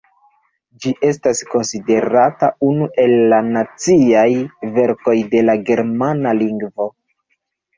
Ĝi estas konsiderata unu el la naciaj verkoj de la germana lingvo.